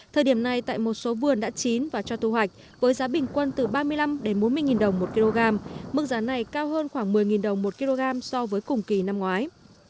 thời điểm này tại một số vườn đã chín và cho thu hoạch với giá bình quân từ ba mươi năm bốn mươi đồng một kg mức giá này cao hơn khoảng một mươi đồng một kg so với cùng kỳ năm ngoái